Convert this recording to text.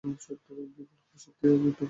বিফল হওয়া সত্ত্বেও তুমি কীভাবে আবার এগিয়ে গেলে?